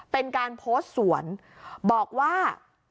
เป็นการโพสต์สวนบอกว่า